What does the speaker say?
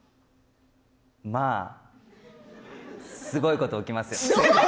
まあすごいことが起きますよ。